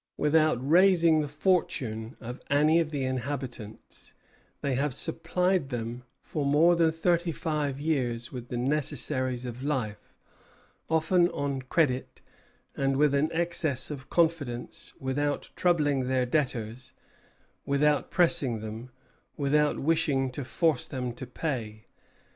Without raising the fortune of any of the inhabitants, they have supplied them for more than thirty five years with the necessaries of life, often on credit and with an excess of confidence, without troubling their debtors, without pressing them, without wishing to force them to pay.